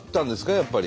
やっぱり。